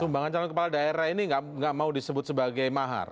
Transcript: sumbangan calon kepala daerah ini nggak mau disebut sebagai mahar